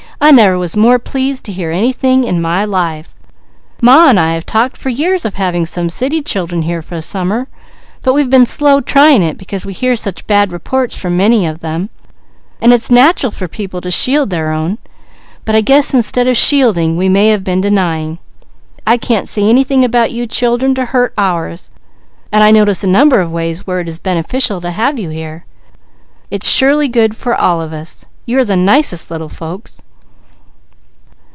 I never was more pleased to hear anything in my life. Ma and I have talked for years of having some city children here for summer, but we've been slow trying it because we hear such bad reports from many of them, and it's natural for people to shield their own; but I guess instead of shielding, we may have been denying. I can't see anything about you children to hurt ours; and I notice a number of ways where it is beneficial to have you here. It's surely good for all of us. You're the nicest little folks!"